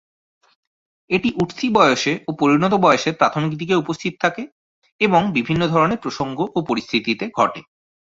এটি উঠতি বয়সে ও পরিণত বয়সের প্রাথমিক দিকে উপস্থিত থাকে এবং বিভিন্ন ধরনের প্রসঙ্গ ও পরিস্থিতিতে ঘটে।